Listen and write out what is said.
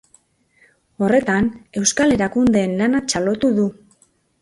Horretan, euskal erakundeen lana txalotu du.